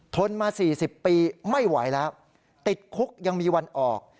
ทนมา๔๐ปีไม่ไหวแล้วติดคุกยังมีวันออก